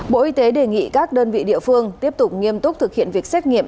bộ y tế đề nghị các đơn vị địa phương tiếp tục nghiêm túc thực hiện việc xét nghiệm